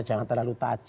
jangan terlalu tajuk